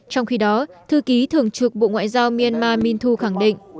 trong khi đó thư ký thường trực bộ ngoại giao myanmar minh thu khẳng định